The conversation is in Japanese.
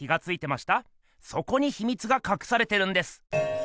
そこにひみつがかくされてるんです。